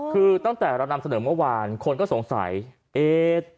คือตั้งแต่เรานำเสนอเมื่อวานคนก็สงสัยเอ๊ะ